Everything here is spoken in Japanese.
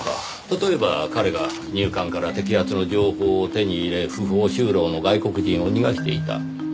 例えば彼が入管から摘発の情報を手に入れ不法就労の外国人を逃がしていた。